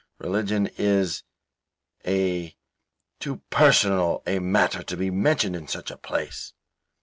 Religion is a too personal a matter to be mentioned in such a place."